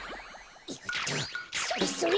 よっとそれそれ！